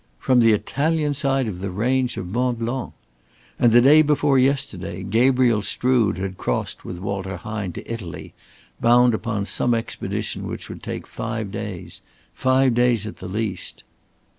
From the Italian side of the range of Mont Blanc! And the day before yesterday Gabriel Strood had crossed with Walter Hine to Italy, bound upon some expedition which would take five days, five days at the least.